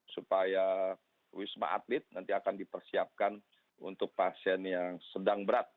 supaya wisma atlet nanti akan dipersiapkan untuk pasien yang sedang berat